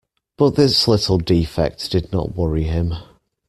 But this little defect did not worry him.